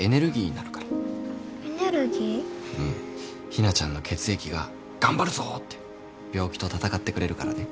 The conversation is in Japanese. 日菜ちゃんの血液が「頑張るぞ」って病気と闘ってくれるからね。